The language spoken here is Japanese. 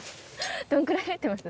どのくらい入ってます？